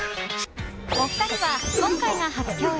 お二人は今回が初共演。